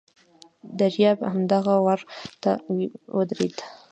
دریاب همدغه وره ته ودرېد.